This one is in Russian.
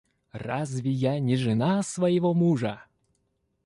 Разве я не жена своего мужа?